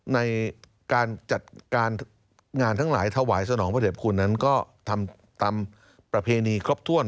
ในการจัดการงานทั้งหลายถวายสนองพระเด็จคุณนั้นก็ทำตามประเพณีครบถ้วน